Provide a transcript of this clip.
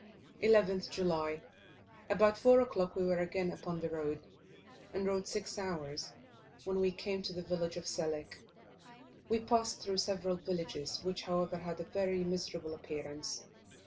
11th July. About 4 o'clock we were again upon the road, and rode six hours, when we came to the village of Selik. We passed through several villages, which, however, had a very miserable appearance.